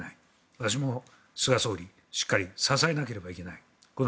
私も菅総理をしっかり支えなければいけない